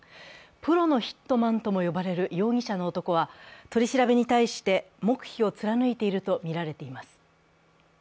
プロのヒットマンとも呼ばれる容疑者の男は取り調べに対して黙秘を貫いているとみられています。